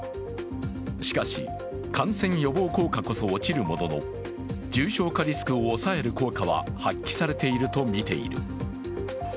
しかし、感染予防効果こそ落ちるものの重症化リスクを抑える効果は発揮されているとみている。